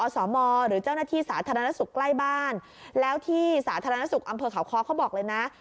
สมหรือเจ้าหน้าที่สาธารณสุขใกล้บ้านแล้วที่สาธารณสุขอำเภอเขาค้อเขาบอกเลยนะ